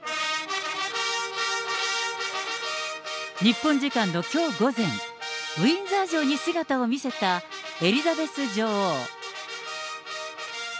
日本時間のきょう午前、ウィンザー城に姿を見せたエリザベス女王。